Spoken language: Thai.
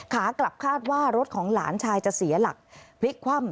ขากลับคาดว่ารถของหลานชายจะเสียหลักพลิกคว่ำ